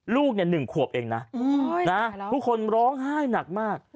ลูก๑ขวบเองนะทุกคนร้องไห้หนักมาก